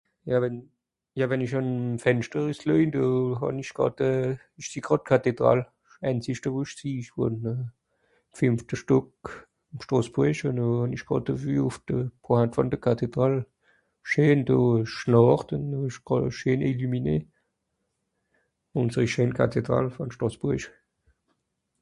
Ja wenn... ja wenn ìch àn Fenschter nüsslüej noh kànn ìch gràd euh... ìch sìeh gràd d'Cathédrale (...) fìmfte Stock ìm Strosbùrisch, ùn noh... noh ìsch gràd de vue ùff de Pointe vùn de Cathédrale, scheen do... schlàcht ùn noh... scheen illuminée... ùnseri scheen Cathédrale vùn Strosbùrrisch.